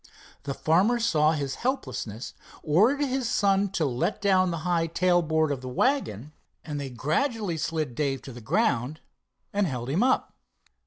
The farmer saw his helplessness, ordered his son to let down the high tailboard of the wagon, and they gradually slid Dave to the ground and held him up.